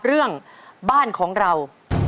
เรื่องบ้านของเรา